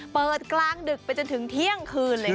เปิดกลางดึกไปจนถึงเที่ยงคืนเลยครับ